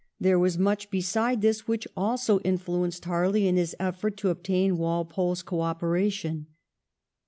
There was much beside this which also influenced Harley in his effort to obtain Walpole's co operation.